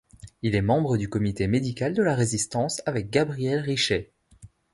Il est membre du comité médical de la Résistance avec Gabriel Richet.